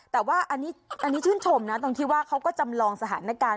แต่ว่าอันนี้ชื่นชมนะตรงที่ว่าเขาก็จำลองสถานการณ์